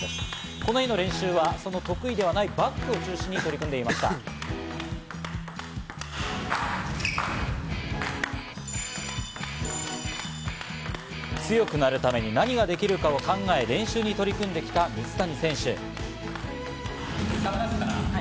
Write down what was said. この日の練習はその得意ではないバックを強くなるために何ができるかを考え練習に取り組んできた水谷選手。